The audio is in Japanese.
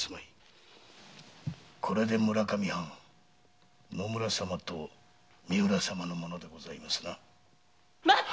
これで村上藩は野村様と三浦様のものでございますな。